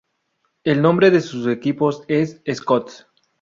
El nombre de sus equipos es ""Scots"".